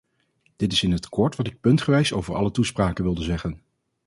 Dit is in het kort wat ik puntsgewijs over alle toespraken wilde zeggen.